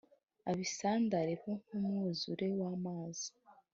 abisandaremo nk umwuzure w amazi